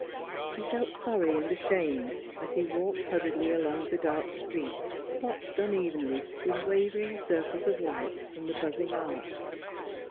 He felt sorry and ashamed as he walked hurriedly along the dark street, splotched unevenly with wavering circles of light from the buzzing arcs.